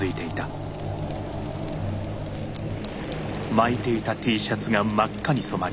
巻いていたＴシャツが真っ赤に染まり